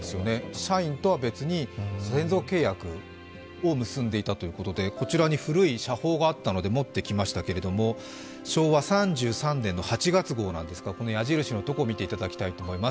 社員とは別に専属契約を結んでいたということで、こちらに古い社報があったので持ってきましたけれども、昭和３３年の８月号なんですがこの矢印のところを見ていただきたいと思います。